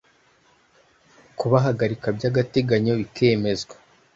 Kubahagarika by agateganyo bikemezwa